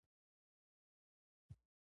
افغانستان کې کندز سیند د خلکو د خوښې وړ ځای دی.